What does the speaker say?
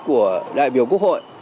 của đại biểu quốc hội